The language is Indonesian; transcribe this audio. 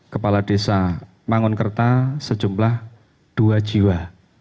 kepala desa mangunkerta sejumlah dua jiwa